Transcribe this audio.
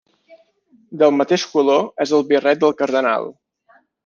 Del mateix color és el birret del cardenal.